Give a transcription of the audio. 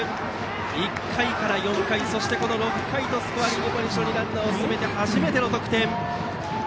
１回から４回、そしてこの６回とスコアリングポジションにランナーを進めて初めての得点。